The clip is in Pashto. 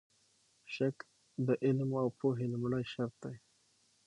شک د علم او پوهې لومړی شرط دی.